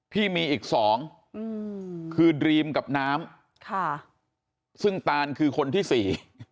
ที่มีอีกสองอืมคือดรีมกับน้ำค่ะซึ่งตานคือคนที่สี่